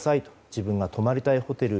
自分が泊まりたいホテル